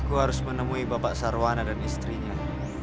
aku harus menemui bapak sarwana dan istrinya